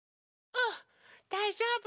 うんだいじょうぶ。